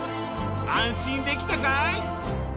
安心できたかい？